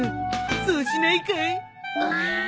そうしないかい？